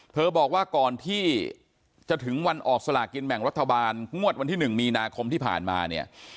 บอกว่าก่อนที่จะถึงวันออกสลากินแบ่งรัฐบาลงวดวันที่๑มีนาคมที่ผ่านมาเนี่ย